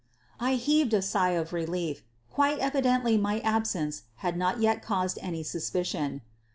I heaved a sigh of relief — quite evidently my ab sence had not yet caused any suspicion.